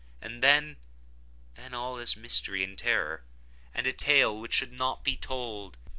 And then—then all is mystery and terror, and a tale which should not be told.